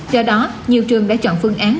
do đó nhiều trường đã chọn phương án